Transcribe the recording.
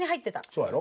そうやろ。